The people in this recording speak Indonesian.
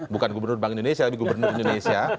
bukan gubernur bank indonesia tapi gubernur indonesia